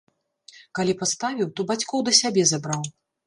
Калі паставіў, то бацькоў да сябе забраў.